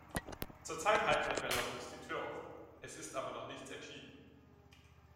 Zurzeit halten wir Belarus die Tür offen, es ist aber noch nichts entschieden.